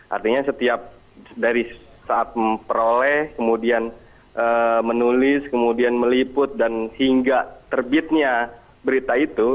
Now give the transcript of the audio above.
artinya setiap dari saat memperoleh kemudian menulis kemudian meliput dan hingga terbitnya berita itu